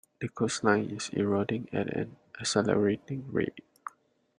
The coastline is eroding at an accelerating rate.